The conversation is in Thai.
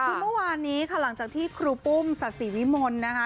คือเมื่อวานนี้ค่ะหลังจากที่ครูปุ้มศาสิวิมลนะคะ